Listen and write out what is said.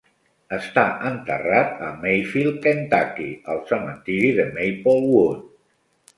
Està enterrat a Mayfield, Kentucky, al cementiri de Maplewood.